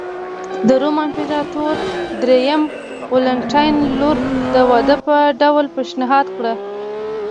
د روم امپراتور درېیم والنټیناین لور د واده په ډول پېشنهاد کړه